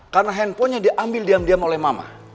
karena handphonenya diambil diam diam oleh mama